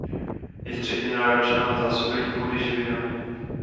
Je středně náročná na zásobení půdy živinami.